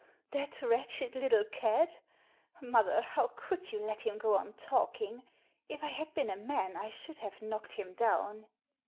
"That wretched little cad! Mother, how could you let him go on talking? If I had been a man I should have knocked him down."